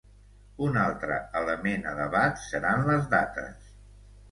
Un altre element a debat seran les dates.